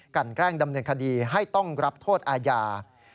แกล้งดำเนินคดีให้ต้องรับโทษอาญา